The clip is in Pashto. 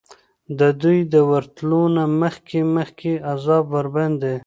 د دوی د ورتلو نه مخکي مخکي عذاب ورباندي